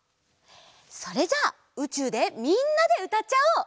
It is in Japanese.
それじゃあうちゅうでみんなでうたっちゃおう！